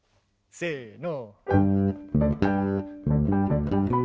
せの。